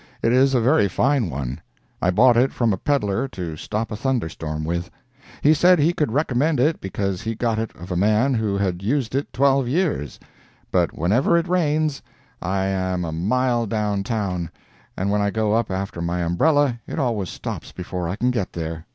It is a very fine one. I bought it from a peddler to stop a thunderstorm with. He said he could recommend it because he got it of a man who had used it twelve years; but whenever it rains, I am a mile downtown, and when I go up after my umbrella it always stops before I can get there.